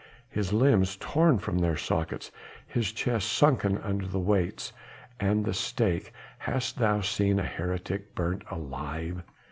his limbs torn from their sockets, his chest sunken under the weights and the stake? hast seen a heretic burnt alive...?"